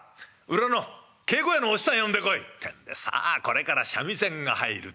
裏の稽古屋のお師匠さん呼んでこい」ってんでこれから三味線が入る。